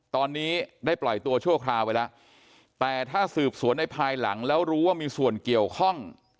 ตอนนี้ได้ปล่อยตัวชั่วคราวไปแล้วแต่ถ้าสืบสวนในภายหลังแล้วรู้ว่ามีส่วนเกี่ยวข้อง